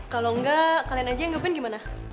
kalau nggak kalian aja yang nge ban gimana